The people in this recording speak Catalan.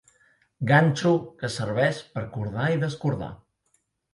Ganxo que serveix per cordar i descordar.